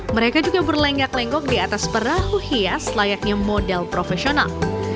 mereka juga berlenggak lenggok di atas perahu hias layaknya model profesional